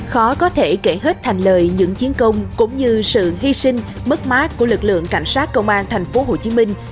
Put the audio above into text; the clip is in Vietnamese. khó có thể kể hết thành lời những chiến công cũng như sự hy sinh mất mát của lực lượng cảnh sát công an thành phố hồ chí minh